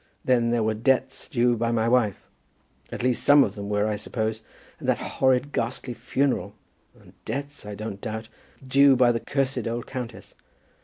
Then there were debts, due by my wife, at least some of them were, I suppose, and that horrid, ghastly funeral, and debts, I don't doubt, due by the cursed old countess.